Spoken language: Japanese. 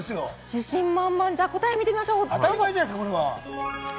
自信満々、答えみましょう。